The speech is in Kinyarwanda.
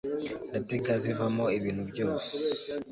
ndatega zivamo ibintu byose